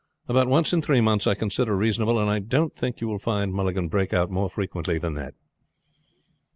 About once in three months I consider reasonable, and I don't think you will find Mulligan break out more frequently than that."